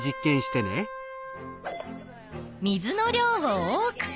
「水の量を多くする」